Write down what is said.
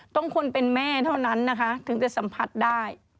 คนเป็นแม่เท่านั้นนะคะถึงจะสัมผัสได้